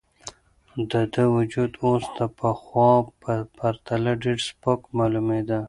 د ده وجود اوس د پخوا په پرتله ډېر سپک معلومېده.